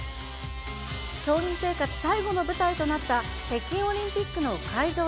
競技生活最後の舞台となった北京オリンピックの会場